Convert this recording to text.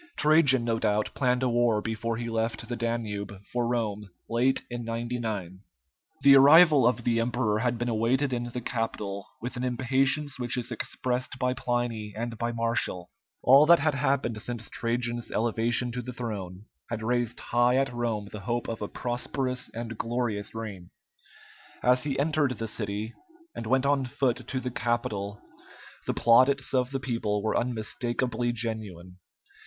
Trajan, no doubt, planned a war before he left the Danube for Rome late in 99. The arrival of the emperor had been awaited in the capital with an impatience which is expressed by Pliny and by Martial. All that had happened since Trajan's elevation to the throne had raised high at Rome the hope of a prosperous and glorious reign. As he entered the city and went on foot to the Capitol, the plaudits of the people were unmistakably genuine.